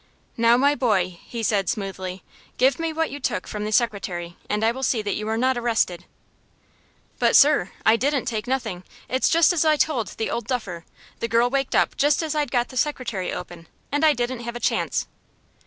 "Now, my boy," he said, smoothly, "give me what you took from the secretary, and I will see that you are not arrested." "But, sir, I didn't take nothing it's just as I told the old duffer. The girl waked up just as I'd got the secretary open, and I didn't have a chance."